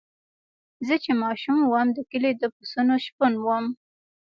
زه چې ماشوم وم د کلي د پسونو شپون وم.